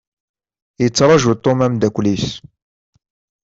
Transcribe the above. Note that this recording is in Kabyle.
Yettraju Tom ameddakel-is.